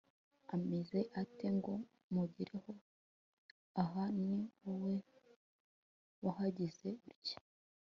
ameze ate? ngo mugereho aha ni wowe wahagize utya